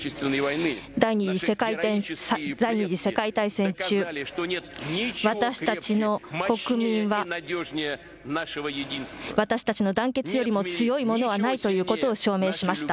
第２次世界大戦中、私たちの国民は、私たちの団結よりも強いものはないということを証明しました。